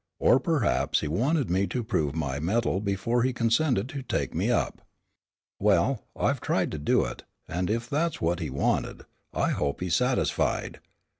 Or perhaps he wanted me to prove my metal before he consented to take me up. Well, I've tried to do it, and if that's what he wanted, I hope he's satisfied."